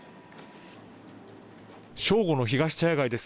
正午のひがし茶屋街です。